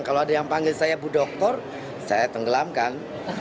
kalau ada yang panggil saya bu dokter saya tenggelamkan